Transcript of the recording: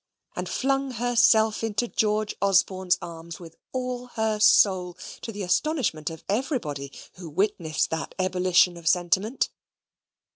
and flung herself into George Osborne's arms with all her soul, to the astonishment of everybody who witnessed that ebullition of sentiment.